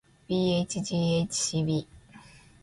bhghcb